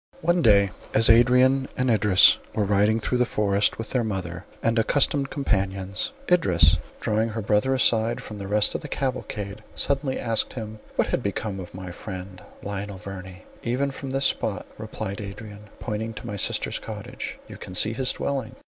One day as Adrian and Idris were riding through the forest, with their mother and accustomed companions, Idris, drawing her brother aside from the rest of the cavalcade, suddenly asked him, "What had become of his friend, Lionel Verney?" "Even from this spot," replied Adrian, pointing to my sister's cottage, "you can see his dwelling."